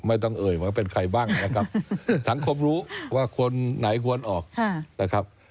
ต้องเอ่ยว่าเป็นใครบ้างนะครับสังคมรู้ว่าคนไหนควรออกนะครับ